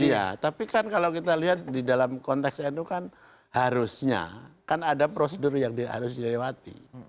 iya tapi kan kalau kita lihat di dalam konteks nu kan harusnya kan ada prosedur yang harus dilewati